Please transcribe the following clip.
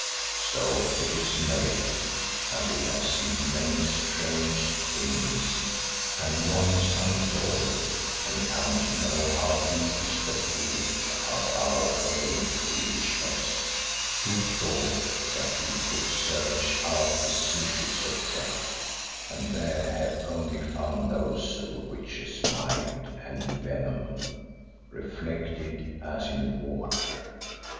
So it is made and we have seen many strange things and won some glory and come to know how deep is the pool of our own foolishness, who thought that we could search out the secrets of Death, and there have only found those of a witch's mind and venom, reflected as in water.